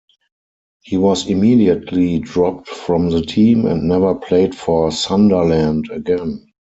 He was immediately dropped from the team, and never played for Sunderland again.